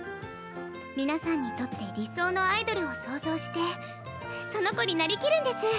皆さんにとって理想のアイドルを想像してその子になりきるんです。